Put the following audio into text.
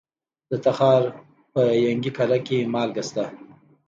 د تخار په ینګي قلعه کې مالګه شته.